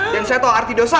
dan saya tau arti dosa